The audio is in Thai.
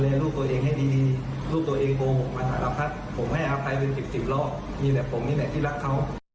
ผมไม่ให้อภัยเป็น๑๐รอบมีแต่ผมนี่แหละที่รักเขา